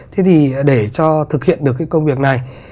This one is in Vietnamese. thế thì để cho thực hiện được cái công việc này